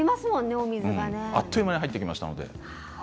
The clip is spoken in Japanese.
あっという間に入ってきます。